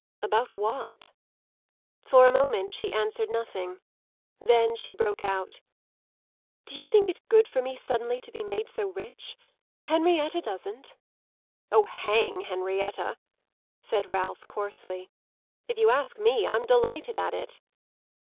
"About what?" For a moment she answered nothing; then she broke out: "Do you think it good for me suddenly to be made so rich? Henrietta doesn't." "Oh, hang Henrietta!" said Ralph coarsely, "If you ask me I'm delighted at it."